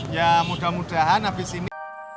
ya mudah mudahan habis ini